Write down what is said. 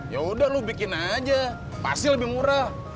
yaudah lo bikin aja pasti lebih murah